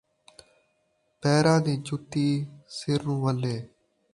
پیراں دی جتی سروں ولے